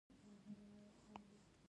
زده کړه نجونو ته د پروټین اهمیت ښيي.